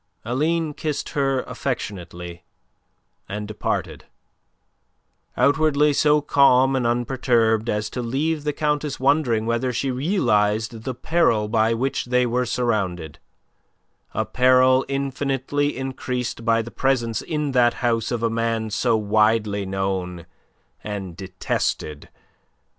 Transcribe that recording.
Aline kissed her affectionately, and departed, outwardly so calm and unperturbed as to leave the Countess wondering whether she realized the peril by which they were surrounded, a peril infinitely increased by the presence in that house of a man so widely known and detested as M.